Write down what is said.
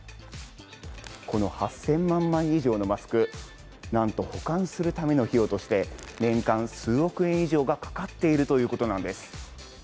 この８０００万枚以上のマスク、なんと保管するための費用として年間数億円以上がかかっているということなんです。